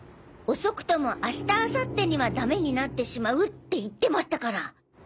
「遅くとも明日明後日にはダメになってしまう」って言ってましたから。